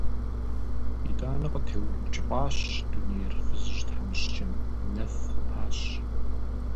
ИтӀанэ къытеункӀыфӀащ дунейр фызыжь тхьэмыщкӏэм, нэф хъупащ…